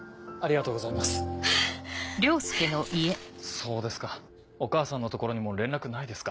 そうですかお義母さんの所にも連絡ないですか。